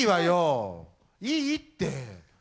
いいって。